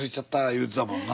言うてたもんな。